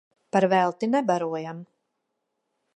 Par velti nebarojam.